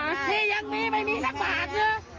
นี่ยังมีไม่มีสักบาท